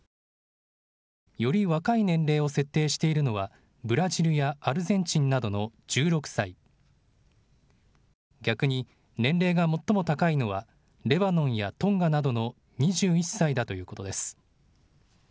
より若い年齢を設定しているのはブラジルやアルゼンチンなどの１６歳、逆に年齢が最も高いのはレバノンやトンガなどの２１歳だということです。